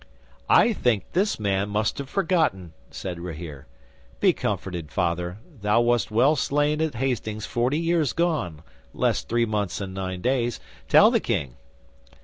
'"I think this man must have forgotten," said Rahere. "Be comforted, Father. Thou wast well slain at Hastings forty years gone, less three months and nine days. Tell the King."